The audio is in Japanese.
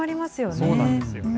そうなんですよね。